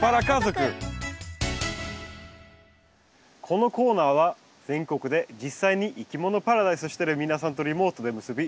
このコーナーは全国で実際にいきものパラダイスしてる皆さんとリモートで結び